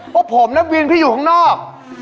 พวกผมนักวินพี่อยู่ข้างนอก